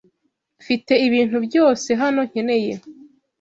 Mfite ibintu byose hano nkeneye.